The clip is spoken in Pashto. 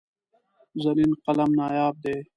زرین قلم نایاب دی.